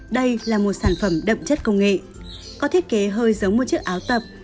đây là một sản phẩm đậm chất công nghệ có thiết kế hơi giống một chiếc áo tập